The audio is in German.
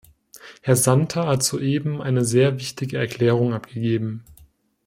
Herr Santer hat soeben eine sehr wichtige Erklärung abgegeben.